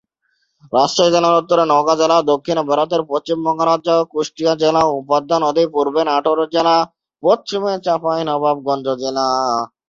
রাজশাহী জেলার উত্তরে নওগাঁ জেলা, দক্ষিণে ভারতের পশ্চিমবঙ্গ রাজ্য, কুষ্টিয়া জেলা ও পদ্মা নদী, পূর্বে নাটোর জেলা, পশ্চিমে চাঁপাইনবাবগঞ্জ জেলা।